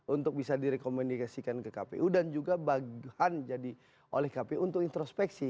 untuk bisa direkomunikasikan ke kpu dan juga bagian jadi oleh kpu untuk introspeksi